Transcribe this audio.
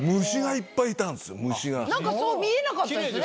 なんかそう見えなかったですね。